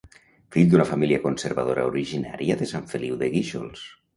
Fill d'una família conservadora originària de Sant Feliu de Guíxols.